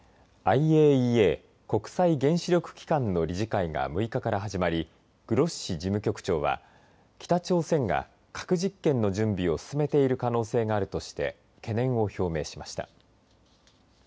ＩＡＥＡ国際原子力機関の理事会が６日から始まりグロッシ事務局長は北朝鮮が核実験の準備を進めている可能性があるとして懸念を表明しました。